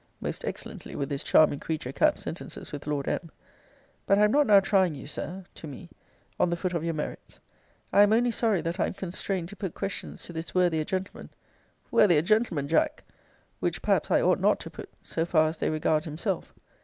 [Most excellently would this charming creature cap sentences with Lord M.!] But I am not now trying you, Sir, [to me,] on the foot of your merits. I am only sorry that I am constrained to put questions to this worthier gentleman, [worthier gentleman, Jack!] which, perhaps, I ought not to put, so far as they regard himself.